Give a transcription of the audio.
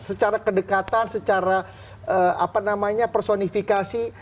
secara kedekatan secara personifikasi